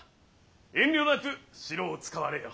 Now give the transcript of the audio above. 遠慮なく城を使われよ。